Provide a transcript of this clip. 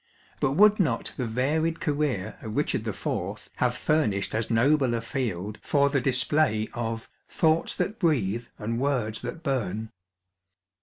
But would not the varied career of Richard IV. have furnished as noble a field for the display of Thoughts that hreftthe and word* that bum ?'